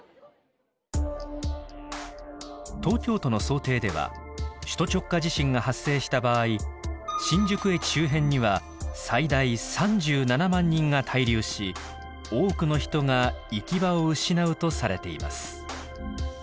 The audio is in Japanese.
東京都の想定では首都直下地震が発生した場合新宿駅周辺には最大３７万人が滞留し多くの人が行き場を失うとされています。